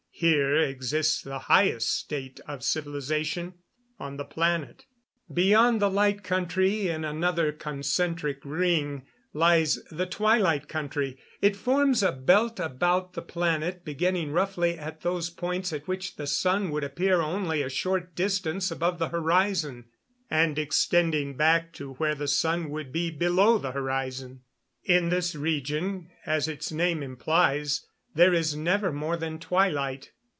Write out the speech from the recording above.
Here exists the highest state of civilization on the planet. Beyond the Light Country, in another concentric ring, lies the Twilight Country. It forms a belt about the planet, beginning roughly at those points at which the sun would appear only a short distance above the horizon, and extending back to where the sun would be below the horizon. In this region, as its name implies, there is never more than twilight.